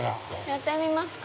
◆やってみますか？